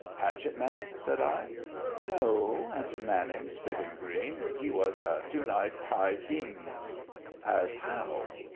"Hatchet man?" said I. "No," answered Manning, spitting green; "he was a two knife Kai Gingh." "As how?"